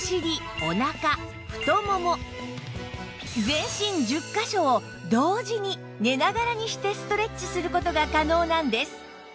全身１０カ所を同時に寝ながらにしてストレッチする事が可能なんです！